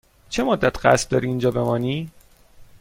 چه مدت قصد داری اینجا بمانی؟